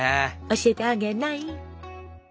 教えてあげない。